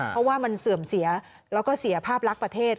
เพราะว่ามันเสื่อมเสียแล้วก็เสียภาพลักษณ์ประเทศ